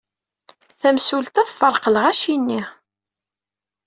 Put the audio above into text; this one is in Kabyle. Tamsulta tefreq lɣaci-nni.